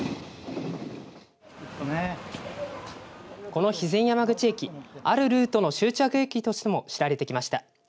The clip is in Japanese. この肥前山口駅あるルートの終着駅としても知られてきました。